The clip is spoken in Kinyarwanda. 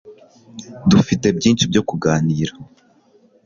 Dufite byinshi byo kuganira